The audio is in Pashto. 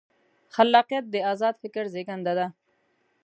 خلاقیت د ازاد فکر زېږنده دی.